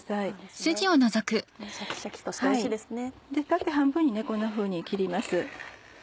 縦半分にこんなふうに切ります。